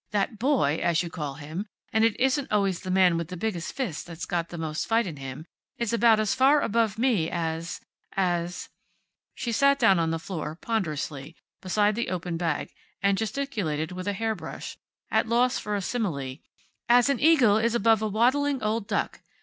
"That boy, as you call him and it isn't always the man with the biggest fists that's got the most fight in him is about as far above me as as " she sat down on the floor, ponderously, beside the open bag, and gesticulated with a hairbrush, at loss for a simile "as an eagle is above a waddling old duck.